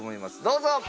どうぞ！